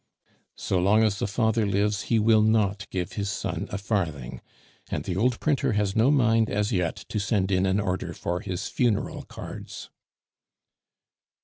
"So long as the father lives, he will not give his son a farthing; and the old printer has no mind as yet to send in an order for his funeral cards."